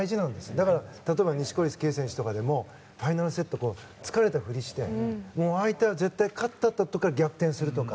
だから例えば錦織圭選手とかでもファイナルセットで疲れたふりして相手は絶対勝ったとか逆転するとか。